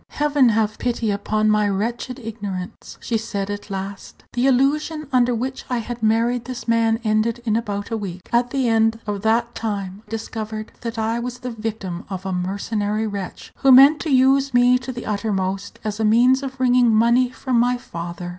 "Heaven have pity upon my wretched ignorance!" she said at last; "the illusion under which I had married this man ended in about a week. At the end of that time I discovered that I was the victim of a mercenary wretch, who meant to use me to the uttermost as a means of wringing money from my father.